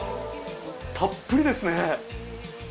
たっぷりですね！